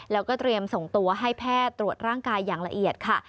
แล้วก็เตรียมส่งตัวให้แพทย์ตรวจร่างกายอย่างละเอียดค่ะ